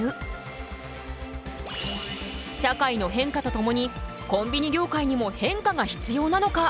社会の変化とともにコンビニ業界にも変化が必要なのか？